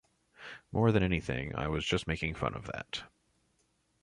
More than anything, I was just making fun of that.